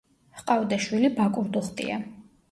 ჰყავდა შვილი ბაკურდუხტია.